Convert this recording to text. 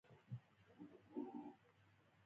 تر ټولو ژوره څېړنه شوې ده.